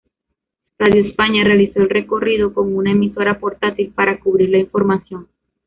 Radio España, realizó el recorrido con una emisora portátil para cubrir la información.